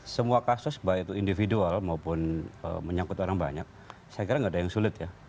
semua kasus baik itu individual maupun menyangkut orang banyak saya kira nggak ada yang sulit ya